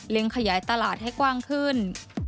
ขยายตลาดให้กว้างขึ้น